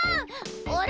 あれ？